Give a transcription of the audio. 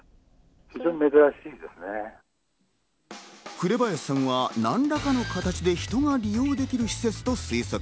紅林さんは何らかの形で人が利用できる施設と推測。